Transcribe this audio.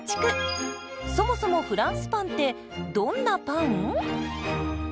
そもそもフランスパンってどんなパン？